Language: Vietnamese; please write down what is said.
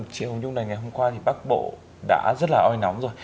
chị hồng nhung này ngày hôm qua thì bắc bộ đã rất là oi nóng rồi